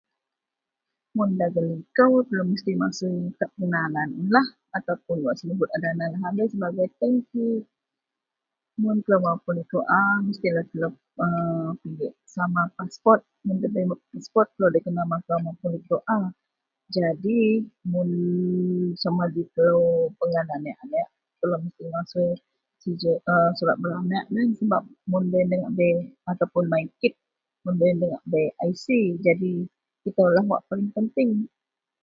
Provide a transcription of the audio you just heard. Mun dagen likou telou mesti masui kad pengenalan unlah ataupun wak senebut a dana lahabei sebagai tengki. Mun telou mapun likou a, mestilah telou a pigek sama paspot. Mun ndabei paspot telou nda kena makau mapun likou a. Jadi, mun sama ji telou pengan aneak-aneak, telou mesti masui a sij surat beraneak sebab loyen nda ngak bei ataupun mykid mun loyen ndabei ngak bei aisi. Jadi itoulah wak paling penting